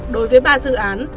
đối với ba dự án